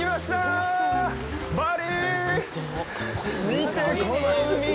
見て、この海！